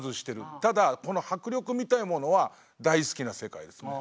ただこの迫力みたいなものは大好きな世界ですね。